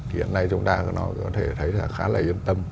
hiện nay chúng ta có thể thấy khá là yên tâm